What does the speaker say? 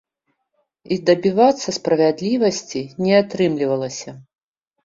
І дабівацца справядлівасці не атрымлівалася.